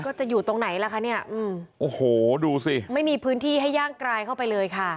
จะอยู่ตรงไหนล่ะคะเนี่ยโอ้โหดูสิไม่มีพื้นที่ให้ย่างกรายเข้าไปเลยค่ะ